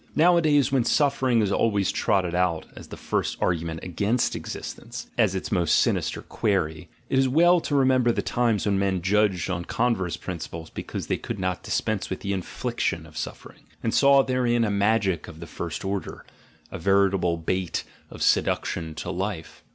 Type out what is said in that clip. Nowadays, when suffering is always trotted out as the first argument against existence, as its most sin ister query, it is well to remember the times when men judged on converse principles because they could not dis pense with the infliction of suffering, and saw therein a magic of the first order, a veritable bait of seduction to life.